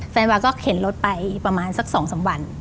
แฟนวาก็เข็นรถไปประมาณสักสองสามวัน